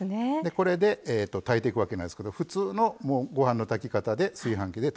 これで炊いていくわけなんですけど普通のご飯の炊き方で炊飯器で炊いてください。